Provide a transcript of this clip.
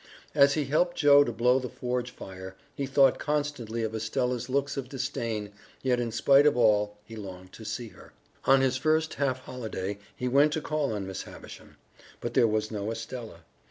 As he helped Joe to blow the forge fire, he thought constantly of Estella's looks of disdain, yet in spite of all he longed to see her. On his first half holiday he went to call on Miss Havisham. But there was no Estella.